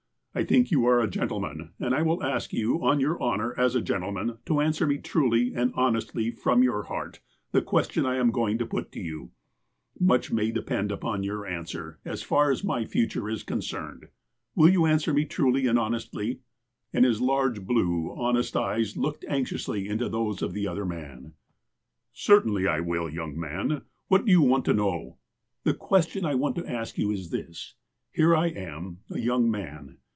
I think you are a gentleman, and I will ask you on your honour as a gentleman to answer me truly and honestly from your heart the question I am going to put to you. Much may depend upon your an THE BOY THE FATHER OF THE MAN 25 swer, as far as my future is concerned. Will you answer me truly and honestly 1 " And his large blue, honest eyes looked anxiously into those of the other man. '' Certainly I will, young man. What do you want to knowl" " The question I want to ask you is this : Here I am, a young man.